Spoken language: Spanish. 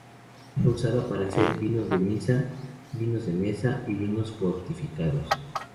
Era usada para hacer vino de misa, vinos de mesa y vinos fortificados.